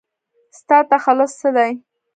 ستا تخلص څه دی ؟